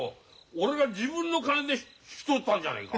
俺が自分の金で引き取ったんじゃねえか。